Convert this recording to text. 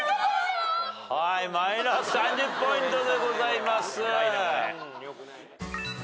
マイナス３０ポイントでございます。